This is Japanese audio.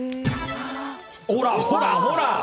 ほら、ほらほらほら。